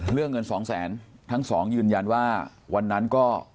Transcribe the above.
เรื่องเงินสองแสนทั้งสองยืนยันว่าวันนั้นก็